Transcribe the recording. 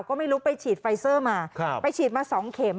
ก็ไม่รู้ไปฉีดไฟเซอร์มาไปฉีดมา๒เข็ม